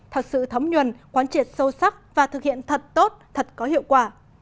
thật sự thấm nhuần quán triệt sâu sắc và thực hiện thật tốt thật có hiệu quả